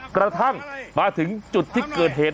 กระทั่งมาถึงจุดที่เกิดเหตุ